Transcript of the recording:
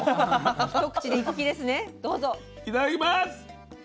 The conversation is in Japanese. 一口で行く気ですね。